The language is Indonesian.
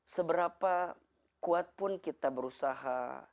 seberapa kuat pun kita berusaha